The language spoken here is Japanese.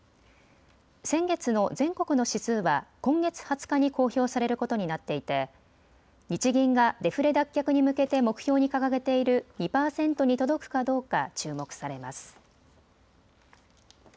先月の全国の指数は今月２０日に公表されることになっていて日銀がデフレ脱却に向けて目標に掲げている２％に届くかどうか注目されます。